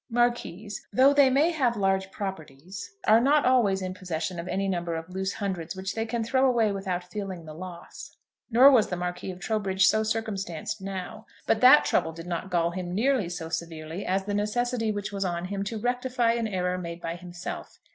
Marquises, though they may have large properties, are not always in possession of any number of loose hundreds which they can throw away without feeling the loss. Nor was the Marquis of Trowbridge so circumstanced now. But that trouble did not gall him nearly so severely as the necessity which was on him to rectify an error made by himself.